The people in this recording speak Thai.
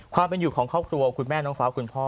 ความเป็นอยู่ของครอบครัวคุณแม่น้องฟ้าคุณพ่อ